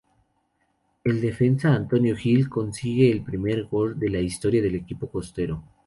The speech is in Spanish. El defensa Antonio Gil consigue el primer gol de la historia del equipo costero.